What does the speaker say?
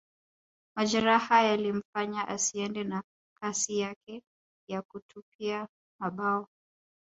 Majeraha yaliyomfanya asiende na kasi yake ya kutupia mabao